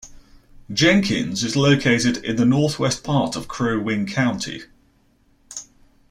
Jenkins is located in the northwest part of Crow Wing County.